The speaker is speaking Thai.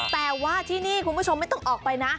แต่ว่าที่นี่คุณผู้ชมไม่ต้องออกไปนะ